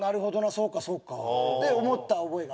そうかそうか」って思った覚えが。